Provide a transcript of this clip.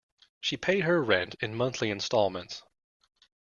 She paid her rent in monthly instalments